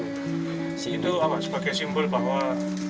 itu apa sebagai simbol bahwa